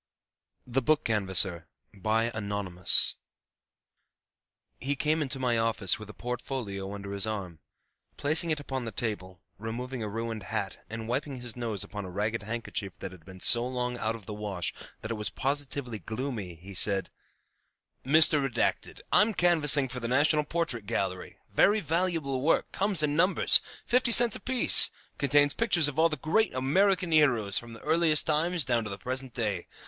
] THE BOOK CANVASSER ANONYMOUS He came into my office with a portfolio under his arm. Placing it upon the table, removing a ruined hat, and wiping his nose upon a ragged handkerchief that had been so long out of the wash that it was positively gloomy, he said, "Mr. , I'm canvassing for the National Portrait Gallery; very valuable work; comes in numbers, fifty cents apiece; contains pictures of all the great American heroes from the earliest times down to the present day.